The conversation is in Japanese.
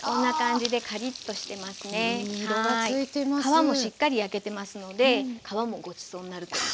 皮もしっかり焼けてますので皮もごちそうになるという。